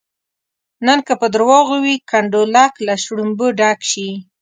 نن که په درواغو وي کنډولک له شلومبو ډک شي.